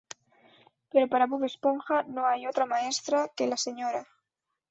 Pero para Bob Esponja no hay otra maestra que la Sra.